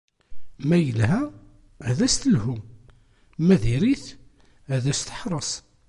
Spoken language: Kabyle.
Ma yelha, ad as-telhu; ma diri-t, ad as-teḥṛes.